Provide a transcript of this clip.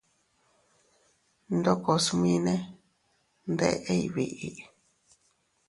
Ndoko smine ndeʼey biʼi.